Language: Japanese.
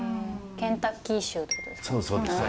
ケンタッキー州ってことですか？